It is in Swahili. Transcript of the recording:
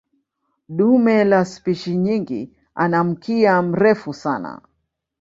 Dume la spishi nyingi ana mkia mrefu sana.